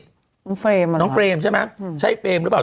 น้องเฟรมอ่ะน้องเฟรมใช่ไหมใช่เฟรมหรือเปล่า